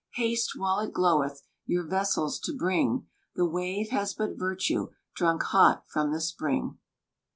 Haste, while it gloweth, Your vessels to bring; The wave has but virtue Drunk hot from the spring.